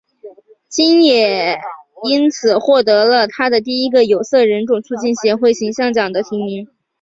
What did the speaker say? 金也因此获得了她的第一个有色人种促进协会形象奖的提名。